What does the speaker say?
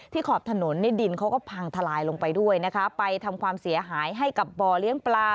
ขอบถนนนี่ดินเขาก็พังทลายลงไปด้วยนะคะไปทำความเสียหายให้กับบ่อเลี้ยงปลา